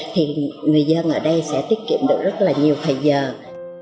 thì người dân ở đây sẽ tiết kiệm được rất là nhiều thời giờ